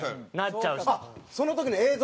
あっその時の映像。